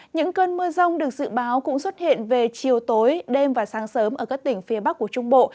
những cơn mưa rông được dự báo cũng xuất hiện về chiều tối đêm và sáng sớm ở các tỉnh phía bắc của trung bộ